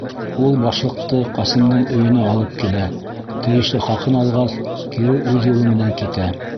Ул башлыҡты Ҡасимдың өйөнә алып килә, тейешле хаҡын алғас, кире үҙ юлы менән китә.